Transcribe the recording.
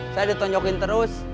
saya ditunjukin terus